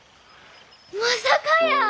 まさかやー。